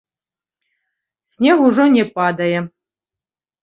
Снег ужо не падае.